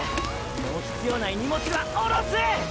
もう必要ない荷物は下ろす！！